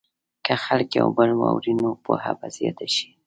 که خلک یو بل واوري، نو پوهه به زیاته شي.